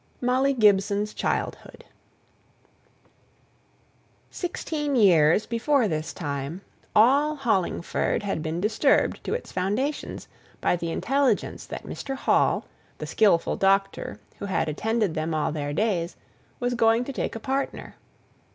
MOLLY GIBSON'S CHILDHOOD. Sixteen years before this time, all Hollingford had been disturbed to its foundations by the intelligence that Mr. Hall, the skilful doctor, who had attended them all their days, was going to take a partner.